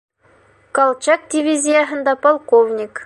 Колчак дивизияһында полковник.